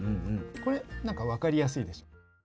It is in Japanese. これなんか分かりやすいでしょ。